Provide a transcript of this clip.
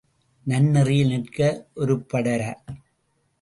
நன்னெறியில் நிற்க ஒருப்படார்.